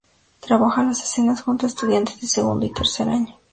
Trabaja las escenas junto a estudiantes de segundo y tercer año.